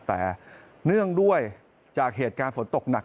แต่เนื่องด้วยจากเหตุการณ์ฝนตกหนัก